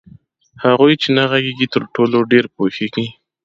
هغوئ چي نه ږغيږي ترټولو ډير پوهيږي